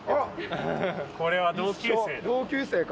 これは同級生か。